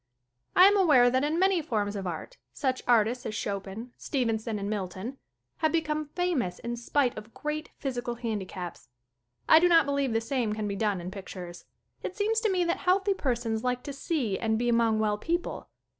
I am aware that in many forms of art such artists as Chopin, Stevenson and Milton, have become famous in spite of great physical hand icaps. I do not believe the same can be done in pictures. It seems to me that healthy persons like to see and be among well people.